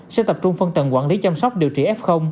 sẽ tập trung phân tầng quản lý chăm sóc điều trị f